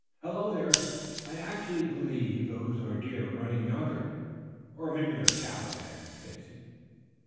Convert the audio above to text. Hello, there, I actually believe those are deer running yonder. Or maybe they're cows," added Stacy.